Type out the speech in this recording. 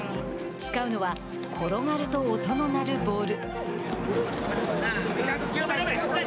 使うのは転がると音の鳴るボール。